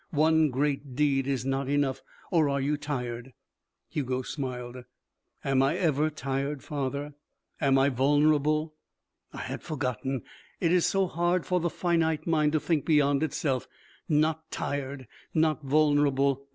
One great deed is not enough or are you tired?" Hugo smiled. "Am I ever tired, father? Am I vulnerable?" "I had forgotten. It is so hard for the finite mind to think beyond itself. Not tired. Not vulnerable.